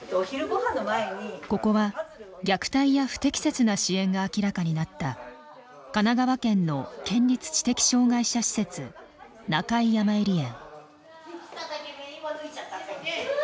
ここは虐待や不適切な支援が明らかになった神奈川県の県立知的障害者施設中井やまゆり園。